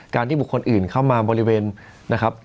ที่บุคคลอื่นเข้ามาบริเวณนะครับ